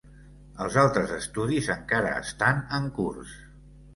Els altres estudis encara estan en curs.